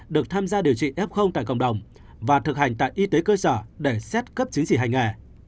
được tham gia điều trị f tại cộng đồng và thực hành tại y tế cơ sở để xét cấp chứng chỉ hành nghề